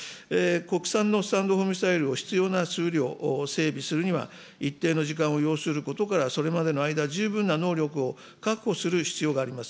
国産のスタンド・オフ・ミサイルを必要な数量、整備するには、一定の時間を要することから、それまでの間、十分な能力を確保する必要があります。